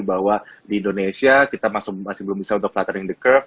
bahwa di indonesia kita masih belum bisa untuk flattening the curve